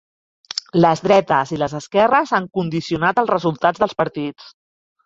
Les dretes i les esquerres han condicionat els resultats dels partits.